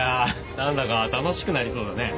何だか楽しくなりそうだね。